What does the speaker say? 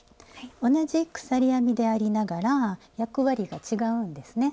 同じ鎖編みでありながら役割が違うんですね。